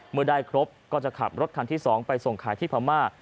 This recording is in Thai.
เมื่อได้ครบก็จะขับรถคันที่๒ไปส่งขายที่พม่า